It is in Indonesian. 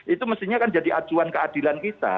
itu mestinya kan jadi acuan keadilan kita